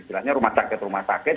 istilahnya rumah sakit rumah sakit